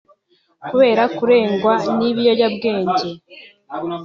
Kubera kurengwa n’ibiyobyabwenge